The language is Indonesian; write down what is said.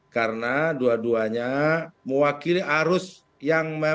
karena dua duanya mewakili arus yang menarik